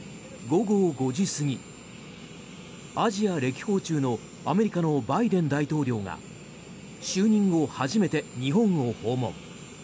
午後５時過ぎ、アジア歴訪中のアメリカのバイデン大統領が就任後初めて日本を訪問。